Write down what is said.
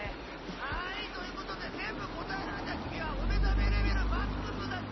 はいということでぜんぶこたえられたきみはおめざめレベルマックスだっち！